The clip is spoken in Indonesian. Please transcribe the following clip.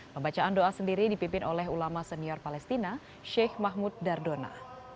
pembacaan doa sendiri dipimpin oleh ulama senior palestina sheikh mahmud dardona